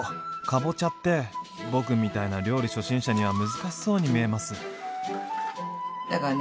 かぼちゃって僕みたいな料理初心者には難しそうに見えます。